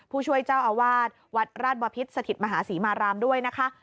ผู้ช่วยเจ้าอาวาสวัดราชบพิษสถิตมหาศรีมารามด้วยนะคะ